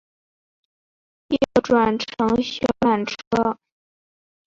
要转乘小缆车